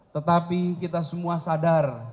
tetapi kita semua sadar